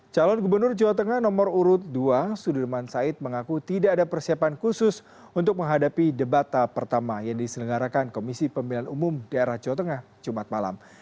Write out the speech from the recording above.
calon gubernur jawa tengah nomor urut dua sudirman said mengaku tidak ada persiapan khusus untuk menghadapi debat tahap pertama yang diselenggarakan komisi pemilihan umum daerah jawa tengah jumat malam